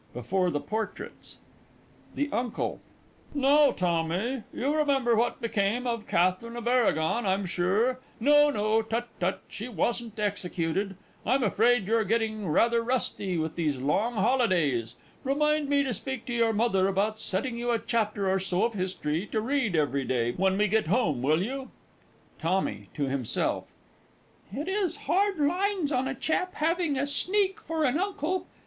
BEFORE THE PORTRAITS. THE UNCLE. Now, Tommy, you remember what became of Katherine of Aragon, I'm sure? No, no tut tut she wasn't executed! I'm afraid you're getting rather rusty with these long holidays. Remind me to speak to your mother about setting you a chapter or so of history to read every day when we get home, will you? TOMMY (to himself). It is hard lines on a chap having a Sneak for an Uncle!